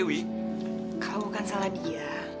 wi kau bukan salah dia